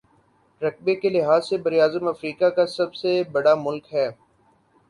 رقبے کے لحاظ سے براعظم افریقہ کا سب بڑا ملک ہے